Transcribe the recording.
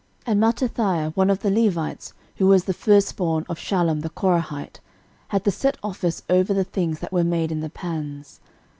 13:009:031 And Mattithiah, one of the Levites, who was the firstborn of Shallum the Korahite, had the set office over the things that were made in the pans.